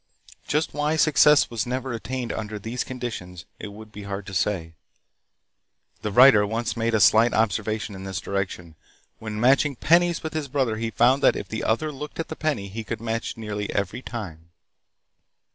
Just why success was never attained under these conditions it would be hard to say. The writer once made a slight observation in this direction. When matching pennies with his brother he found that if the other looked at the penny he could match it nearly every time.